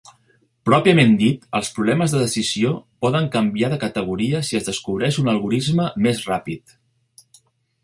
Pròpiament dit, els problemes de decisió poden canviar de categoria si es descobreix un algorisme més ràpid.